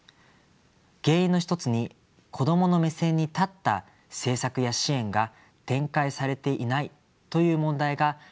原因の一つに子どもの目線に立った政策や支援が展開されていないという問題があるのではないでしょうか。